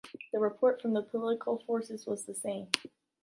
The report from the political forces was the same.